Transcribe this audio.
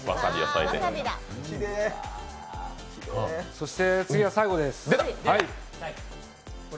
そして次が最後です。